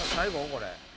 これ。